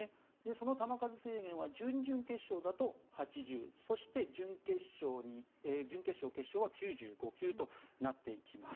その球数制限は準々決勝だと８０そして準決勝、決勝は９５球となってきます。